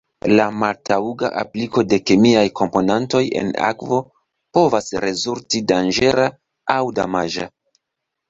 La maltaŭga apliko de kemiaj komponantoj en akvo povas rezulti danĝera aŭ damaĝa.